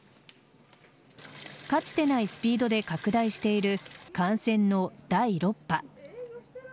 かつてないスピードで拡大している感染の第６波。